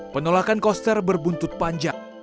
penolakan koster berbuntut panjang